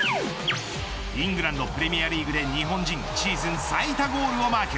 イングランドプレミアリーグで日本人シーズン最多ゴールをマーク。